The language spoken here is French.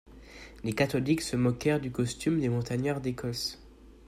Les catholiques se moquèrent du costume des montagnards d'Écosse.